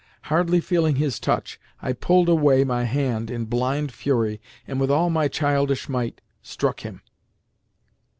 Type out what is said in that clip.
Hardly feeling his touch, I pulled away my hand in blind fury, and with all my childish might struck him.